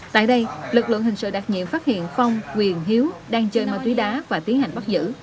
tại đây lực lượng hình sự đặc nhiệm phát hiện phong quyền hiếu đang chơi ma túy đá và tiến hành bắt giữ